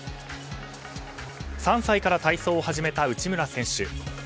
３歳から体操を始めた内村選手。